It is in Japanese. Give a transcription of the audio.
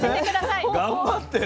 頑張ってよ。